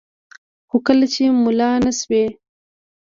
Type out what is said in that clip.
خو لکه چې ملا نه سوې.